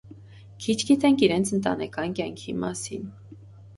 Քիչ գիտենք իրենց ընտանեկան կեանքի մասին։